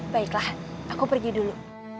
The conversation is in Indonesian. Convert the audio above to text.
baiklah aku pergi dulu